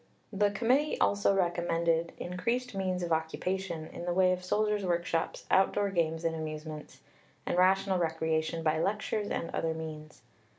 The Committee also recommended increased means of occupation, in the way of soldiers' workshops, out door games and amusements, and rational recreation by lectures and other means.